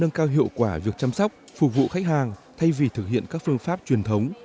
nâng cao hiệu quả việc chăm sóc phục vụ khách hàng thay vì thực hiện các phương pháp truyền thống